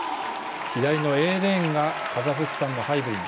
左のＡレーンがカザフスタンのハイブリン。